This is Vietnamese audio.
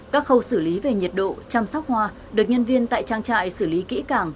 các khâu xử lý về nhiệt độ chăm sóc hoa được nhân viên tại trang trại xử lý kỹ càng